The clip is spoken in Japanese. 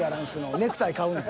ネクタイ買うねん。